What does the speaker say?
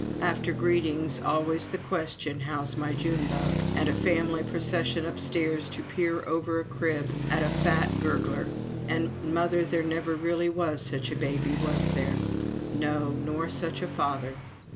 After greetings, always the question, "How's my June Bug?" and a family procession upstairs to peer over a crib at a fat gurgler. And "Mother, there never really was such a baby, was there?" No, nor such a father.